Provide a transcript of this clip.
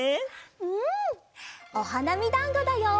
うんおはなみだんごだよ！